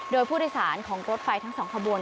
โดยผู้โดยสารของรถไฟทั้งสองขบวน